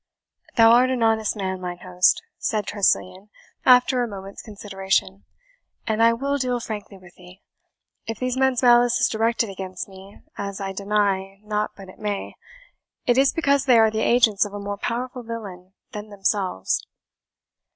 "Thou art an honest man, mine host," said Tressilian, after a moment's consideration, "and I will deal frankly with thee. If these men's malice is directed against me as I deny not but it may it is because they are the agents of a more powerful villain than themselves."